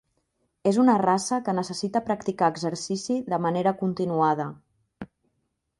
És una raça que necessita practicar exercici de manera continuada.